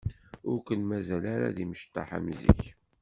Ur ken-mazal ara d imecṭaḥ am zik.